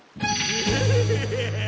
グフフフ！